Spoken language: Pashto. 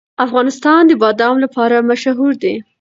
افغانستان د بادام لپاره مشهور دی.